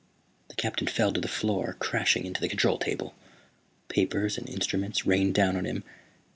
The Captain fell to the floor, crashing into the control table. Papers and instruments rained down on him.